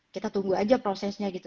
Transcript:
kita tunggu aja prosesnya gitu